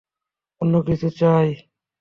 অন্য কিছু চাই?